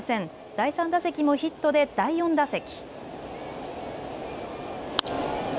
第３打席もヒットで第４打席。